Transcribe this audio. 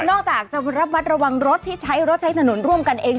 นอกจากจะระมัดระวังรถที่ใช้รถใช้ถนนร่วมกันเอง